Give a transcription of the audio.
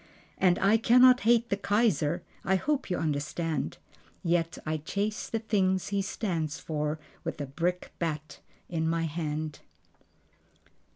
And I cannot hate the Kaiser (I hope you understand.) Yet I chase the thing he stands for with a brickbat in my hand.